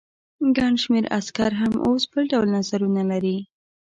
ګڼ شمېر عسکر هم اوس بل ډول نظرونه لري.